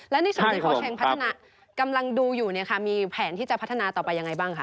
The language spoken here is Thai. และในส่วนที่โค้ชเชงพัฒนากำลังดูอยู่เนี่ยค่ะมีแผนที่จะพัฒนาต่อไปยังไงบ้างคะ